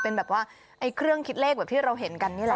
เป็นแบบว่าไอ้เครื่องคิดเลขแบบที่เราเห็นกันนี่แหละ